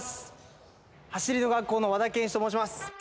「走りの学校の和田賢一と申します」